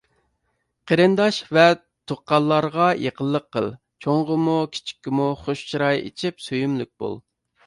قېرىنداش ۋە تۇغقانلارغا يېقىنلىق قىل، چوڭغىمۇ كىچىككىمۇ خۇش چىراي ئېچىپ سۆيۈملۈك بول.